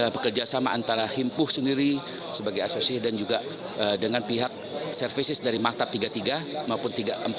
bekerja sama antara himpuh sendiri sebagai asosiasi dan juga dengan pihak services dari maktab tiga puluh tiga maupun tiga ratus empat puluh